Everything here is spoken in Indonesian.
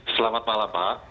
selamat malam pak